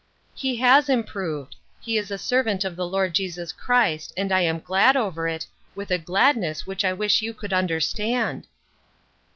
" He has improved. He is a servant of the Lord Jesus Christ, and I am glad over it, with a gladness which I wish you could understand."